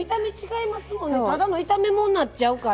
ただの炒め物になっちゃうから。